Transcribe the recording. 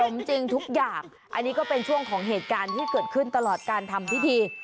จริงทุกอย่างอันนี้ก็เป็นช่วงของเหตุการณ์ที่เกิดขึ้นตลอดการทำพิธี